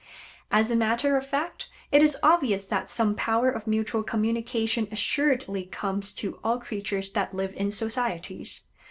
As a matter of fact, it is obvious that some power of mutual communication assuredly comes to all creatures that live in societies.